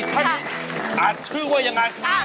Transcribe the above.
ใช่อาจชื่อว่ายังไง